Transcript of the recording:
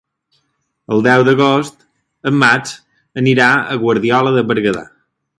El deu d'agost en Max anirà a Guardiola de Berguedà.